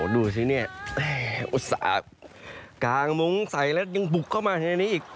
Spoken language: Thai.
ดูสิเนี่ยแย่โอ้สักกางมึงใส่แล้วยังบุกเข้ามาในนี้อีก